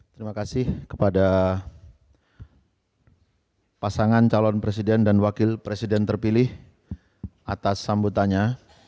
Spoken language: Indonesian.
terima kasih kepada pasangan calon presiden dan wakil presiden terpilih atas sambutannya